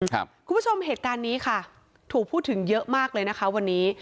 คุณผู้ชมเหตุการณ์นี้ค่ะถูกพูดถึงเยอะมากเลยนะคะวันนี้